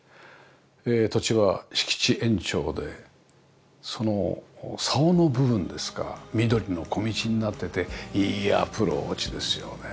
土地は敷地延長でその竿の部分ですか緑の小道になってていいアプローチですよね。